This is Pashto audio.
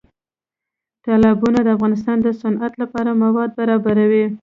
تالابونه د افغانستان د صنعت لپاره مواد برابروي.